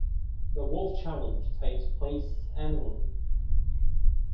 The Wolf Challenge takes place annually.